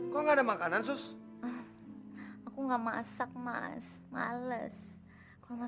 kok ada makanan sus aku enggak masak mas males kalau